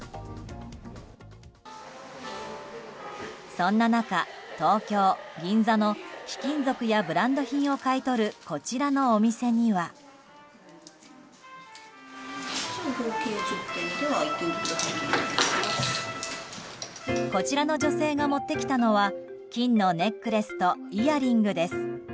そんな中、東京・銀座の貴金属やブランド品を買い取るこちらのお店には。こちらの女性が持ってきたのは金のネックレスとイヤリングです。